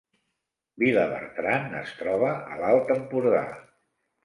Vilabertran es troba a l’Alt Empordà